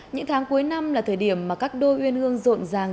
những tháng cuối năm là thời điểm mà các đôi uyên hương rộn ràng